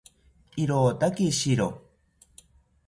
Irotaki shiro